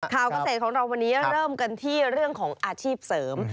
เกษตรของเราวันนี้เริ่มกันที่เรื่องของอาชีพเสริม